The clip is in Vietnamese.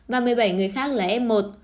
và một mươi bảy người khác là f một